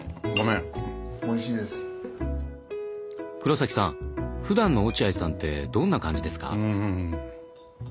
黒崎さんふだんの落合さんってどんな感じですか？